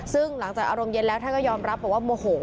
ซึ่งหลังจากอารมณ์เย็นแล้วท่านก็ยอมรับบอกว่าโมโห